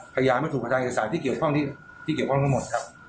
พยายามไม่ถูกประทานวิทยาศาสตร์ที่เกี่ยวข้องทั้งหมดครับ